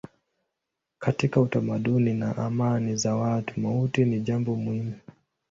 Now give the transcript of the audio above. Katika utamaduni na imani za watu mauti ni jambo muhimu.